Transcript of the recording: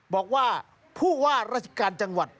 บอกว่าผู้ว่าราชการจังหวัด